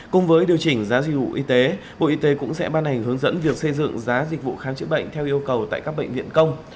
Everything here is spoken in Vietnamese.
cùng với điều chỉnh giá dịch vụ y tế bộ y tế cũng sẽ ban hành hướng dẫn việc xây dựng giá dịch vụ khám chữa bệnh theo yêu cầu tại các bệnh viện công